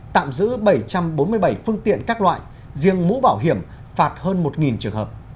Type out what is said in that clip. tạm giữ bảy trăm bốn mươi bảy phương tiện các loại riêng mũ bảo hiểm phạt hơn một trường hợp